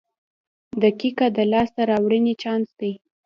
• دقیقه د لاسته راوړنې چانس دی.